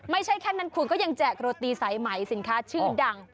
ไม่ใช่แค่นั้นคุณก็ยังแจกโรตีสายไหมสินค้าชื่อดัง